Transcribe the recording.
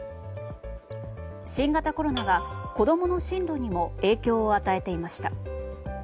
新型コロナが子供の進路にも影響を与えていました。